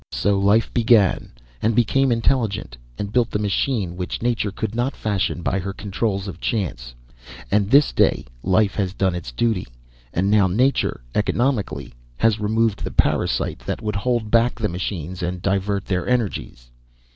"So life began, and became intelligent, and built the machine which nature could not fashion by her Controls of Chance, and this day Life has done its duty, and now Nature, economically, has removed the parasite that would hold back the machines and divert their energies.